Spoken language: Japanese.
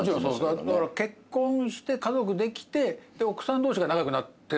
結婚して家族できて奥さん同士が仲良くなってかな。